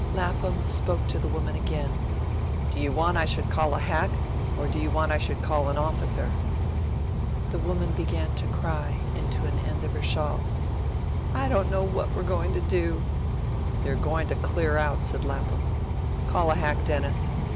Lapham spoke to the woman again. "Do you want I should call a hack, or do you want I should call an officer?" The woman began to cry into an end of her shawl. "I don't know what we're goin' to do." "You're going to clear out," said Lapham. "Call a hack, Dennis.